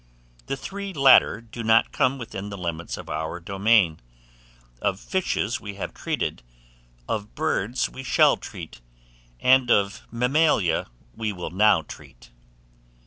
The three latter do not come within the limits of our domain; of fishes we have already treated, of birds we shall treat, and of mammalia we will now treat.